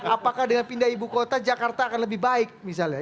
apakah dengan pindah ibu kota jakarta akan lebih baik misalnya